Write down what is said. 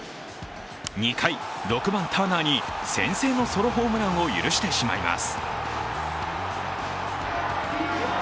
２回、６番・ターナーに先制のソロホームランを許してしまいます。